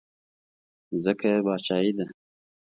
ځکه یې باچایي ده.